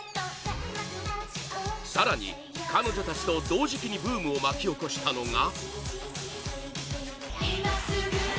更に彼女たちと同時期にブームを巻き起こしたのが ＫＡＲＡ